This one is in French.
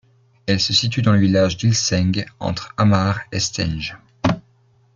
Elle se situe dans le village d'Ilseng, entre Hamar et Stange.